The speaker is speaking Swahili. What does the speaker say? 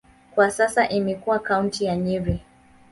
Kwa sasa imekuwa kaunti ya Nyeri.